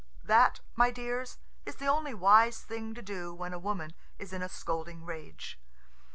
That, my dears, is the only wise thing to do when a woman is in a scolding rage.